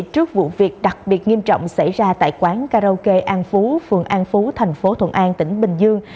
trước vụ việc đặc biệt nghiêm trọng xảy ra tại quán karaoke an phú phường an phú thành phố thuận an tỉnh bình dương